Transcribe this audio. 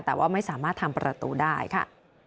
แต่ว่าไม่สามารถทำประตูได้ค่ะ